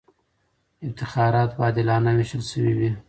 افتخارات به عادلانه وېشل سوي وي.